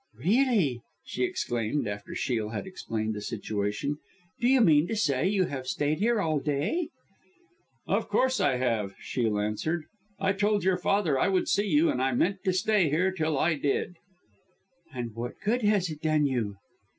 "Really!" she exclaimed, after Shiel had explained the situation. "Do you mean to say you have stayed here all day?" "Of course I have," Shiel answered. "I told your father I would see you, and I meant to stay here till I did." "And what good has it done you?"